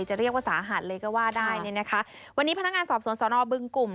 จะเรียกว่าสาหัสเลยก็ว่าได้เนี่ยนะคะวันนี้พนักงานสอบสวนสอนอบึงกลุ่ม